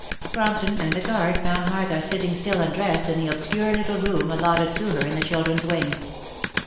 Crompton and the card found Martha sitting still undressed in the obscure little room allotted to her in the children's wing.